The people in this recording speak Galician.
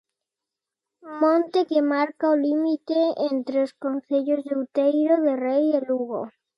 Monte que marca o límite entre os concellos de Outeiro de Rei e Lugo.